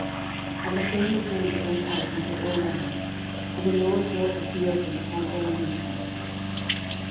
13:014:017 And the fame of David went out into all lands; and the LORD brought the fear of him upon all nations.